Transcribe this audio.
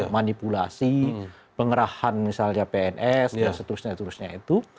manipulasi pengerahan misalnya pns dan seterusnya terusnya itu